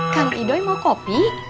kan idoi mau kopi